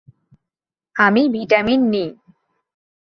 আমি ভিটামিন নিই।